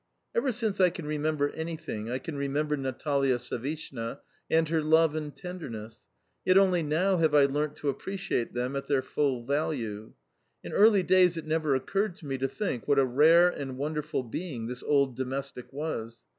Ever since I can remember anything I can remember Natalia Savishna and her love and tenderness; yet only now have I learnt to appreciate them at their full value. In early days it never occurred to me to think what a rare and wonderful being this old domestic was.